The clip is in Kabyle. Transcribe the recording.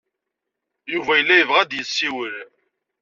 Yuba yella yebɣa ad d-yessiwel.